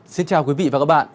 xin chào quý vị và các bạn